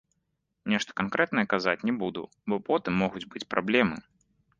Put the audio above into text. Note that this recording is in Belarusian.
Нешта канкрэтнае казаць не буду, бо потым могуць быць праблемы.